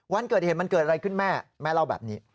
วันเกิดเหตุมันเกิดอะไรขึ้นแม่แม่เล่าแบบนี้